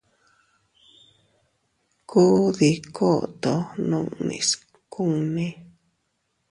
Kuu dii koto nunnis kunni.